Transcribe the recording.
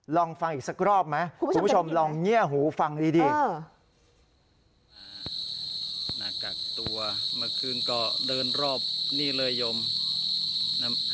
ลองฟังอีกสักรอบมา